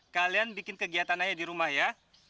kalian bikin kegiatan aja di rumah ya